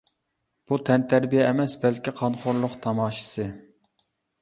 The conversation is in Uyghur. بۇ تەنتەربىيە ئەمەس بەلكى قانخورلۇق تاماشىسى.